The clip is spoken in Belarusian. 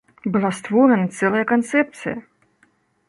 Была створаная цэлая канцэпцыя!